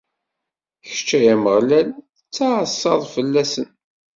Kečč, ay Ameɣlal, tettɛassaḍ fell-asen.